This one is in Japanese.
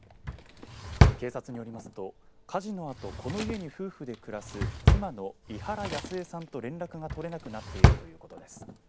警察によりますと、火事のあとこの家に夫婦で暮らす妻の井原安江さんと連絡が取れなくなっているということです。